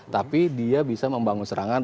tapi dia bisa membangun serangan